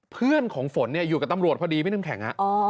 เพื่อนของฝนอยู่กับตำรวจพอดีพี่น้ำแข็ง